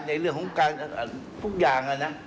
ในเรื่องของการทุกอย่างนะ